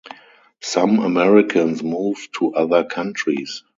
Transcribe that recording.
Some Americans move to other countries.